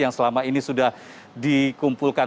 yang selama ini sudah dikumpulkan